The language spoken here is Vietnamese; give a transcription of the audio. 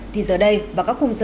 thì giờ đây và các khung cảnh này